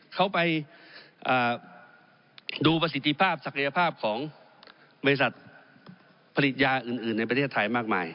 เขาไปดูประสิทธิภาพศักยภาพของบริษัทผลิตยาอื่นในประเทศไทยมากมาย